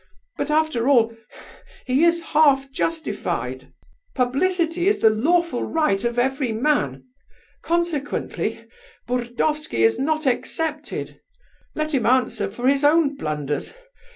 But after all he is half justified; publicity is the lawful right of every man; consequently, Burdovsky is not excepted. Let him answer for his own blunders.